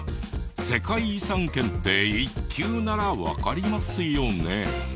世界遺産検定１級ならわかりますよね？